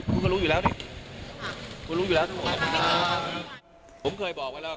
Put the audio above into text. คุณก็รู้อยู่แล้วสิคุณรู้อยู่แล้วทุกคน